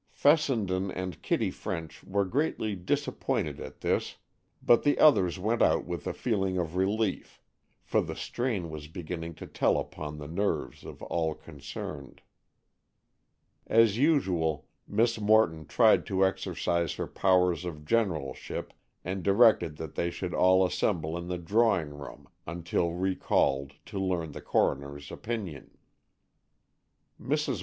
Fessenden and Kitty French were greatly disappointed at this, but the others went out with a feeling of relief, for the strain was beginning to tell upon the nerves of all concerned. As usual, Miss Morton tried to exercise her powers of generalship, and directed that they should all assemble in the drawing room until recalled to learn the coroner's opinion. Mrs.